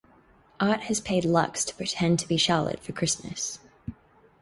Art has paid Lux to pretend to be Charlotte for Christmas.